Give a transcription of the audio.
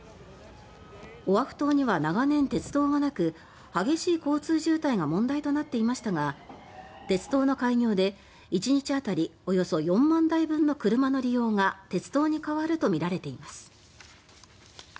オアフ島には長年、鉄道がなく激しい交通渋滞が問題となっていましたが鉄道の開業で１日当たりおよそ４万台分の車の利用が鉄道に代わるとみられています。